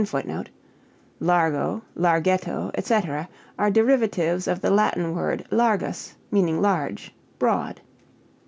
[Footnote 26: Largo, larghetto, etc., are derivatives of the Latin word largus, meaning large, broad.